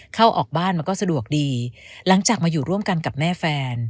เข้าออกบ้านมันก็สะดวกดีหลังจากมาอยู่ร่วมกันกับแม่แฟน